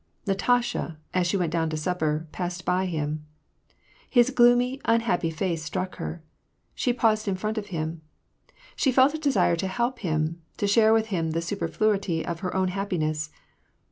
Natasha, as she went down to supper, passed by him. His gloomy, unhappy face struck ner. She paused in front of him : she felt a desire to help him, to share with him the superfluity of her own happiness.